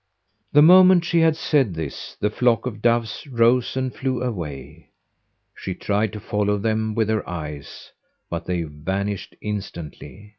The moment she had said this the flock of doves rose and flew away. She tried to follow them with her eyes, but they vanished instantly.